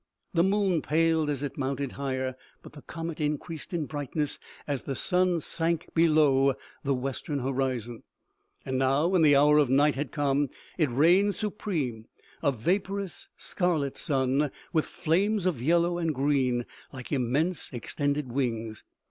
The moon paled as it mounted higher, but the comet increased in brightness as the sun sank below the western horizon, and now, when the hour of night had come, it reigned supreme, a vaporous, scarlet sun, with flames of yellow and green, like immense extended wings.